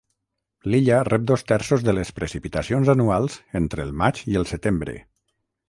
L'illa rep dos terços de les precipitacions anuals entre el maig i el setembre.